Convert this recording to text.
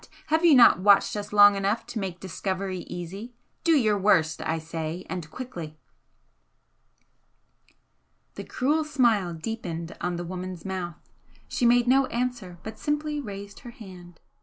Have you not watched us long enough to make discovery easy? Do your worst, I say, and quickly!" The cruel smile deepened on the woman's mouth, she made no answer, but simply raised her hand.